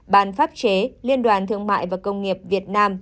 bàn pháp chế liên đoàn thương mại và công nghiệp việt nam